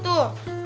aku udah jadi